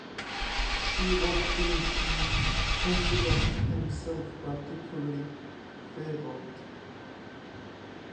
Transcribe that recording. She would think he considered himself particularly favored.